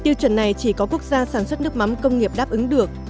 tiêu chuẩn này chỉ có quốc gia sản xuất nước mắm công nghiệp đáp ứng được